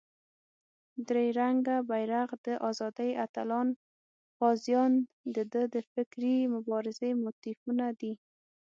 درې رنګه بېرغ، د آزادۍ اتلان، غازیان دده د فکري مبارزې موتیفونه دي.